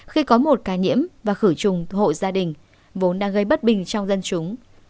khi có một ca nhiễm và khử trùng hộ gia đình vốn đang gây bất bình trong dân chúng